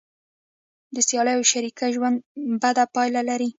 د سیالۍ او شریکۍ ژوند بده پایله لري.